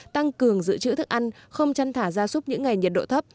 tăng cường giữ chữ thức ăn không chăn thả gia súc những ngày nhiệt độ thấp